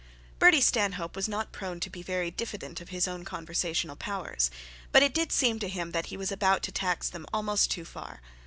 Bertie Stanhope was not prone to be very diffident of his own conversational powers, but it did seem to him that he was about to tax them almost too far.